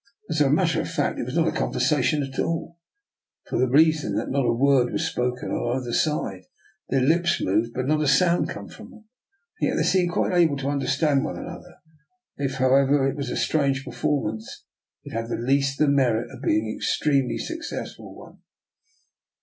As a matter of fact it was not a conversation at all, for the reason that not a word was spoken on either side; their lips moved, but not a sound came from them. And yet they seemed quite able to understand one another. If, however, it was a strange performance, it had at least the merit of being an extremely successful one.